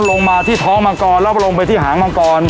ลงมาที่ท้องมังกรแล้วลงไปที่หางมังกร